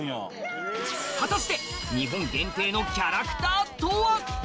果たして日本限定のキャラクターとは？